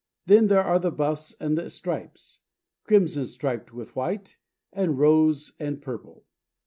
Then there are the buffs and the stripes, crimson striped with white, and rose and purple.